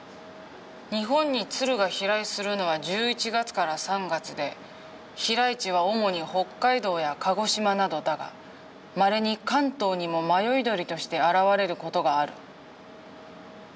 「日本に鶴が飛来するのは１１月から３月で飛来地は主に北海道や鹿児島などだがまれに関東にも迷い鳥として現れることがある」。